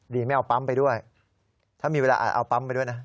ไม่เอาปั๊มไปด้วยถ้ามีเวลาอาจเอาปั๊มไปด้วยนะ